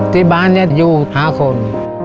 ที่บ้านนี้อยู่๕คน